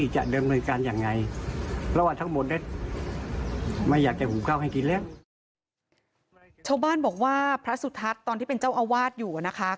ชาวบ้านบอกว่าพระสุทัศน์ตอนที่เป็นเจ้าอาวาสอยู่นะคะ